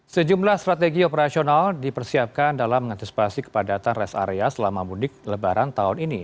sejumlah strategi operasional dipersiapkan dalam mengantisipasi kepadatan res area selama mudik lebaran tahun ini